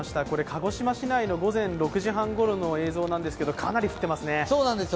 鹿児島市内の午前６時半ごろの映像なんですけどかなり降っていますね。